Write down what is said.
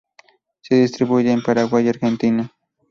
Se distribuye por Paraguay y Argentina.